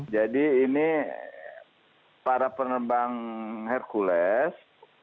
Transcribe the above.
jadi ini para penerbang hercules